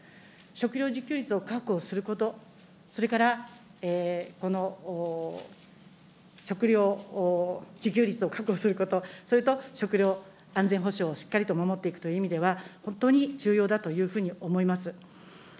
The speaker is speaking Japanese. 食料自給率を確保すること、それから食料自給率を確保すること、それと食料安全保障をしっかりと守っていくという意味では、本当に重要だというふうに思います。